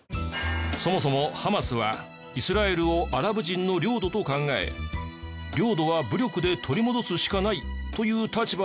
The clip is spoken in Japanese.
そもそもハマスはイスラエルをアラブ人の領土と考え領土は武力で取り戻すしかないという立場なのだが。